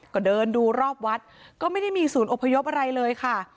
ก็เดินดูรอบวัดก็ไม่ได้มีศูนย์อพยพอะไรเลยค่ะ